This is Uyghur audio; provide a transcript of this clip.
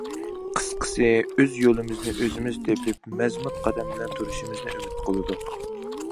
قىسقىسى ئۆز يولىمىزنى ئۆزىمىز تېپىپ مەزمۇت قەدەم بىلەن تۇرۇشىمىزنى ئۈمىد قىلىدۇ.